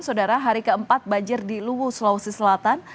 saudara hari keempat banjir di luwu sulawesi selatan